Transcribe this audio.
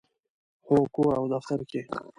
هو، کور او دفتر کې